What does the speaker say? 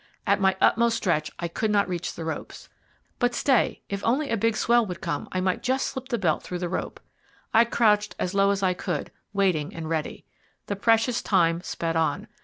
At my utmost stretch I could not reach the ropes. But, stay, if only a big swell would come, I might just slip the belt through the rope. I crouched as low as I could, waiting and ready. The precious time sped on.